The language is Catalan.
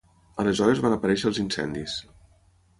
Aleshores van aparèixer els incendis.